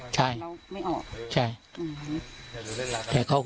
กรณีของการยืนมีปืนแล้วไม่ออก